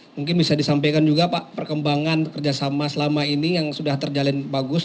mungkin bisa disampaikan juga pak perkembangan kerjasama selama ini yang sudah terjalin bagus